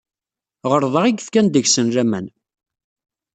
Ɣelḍeɣ i yefkan deg-sen laman.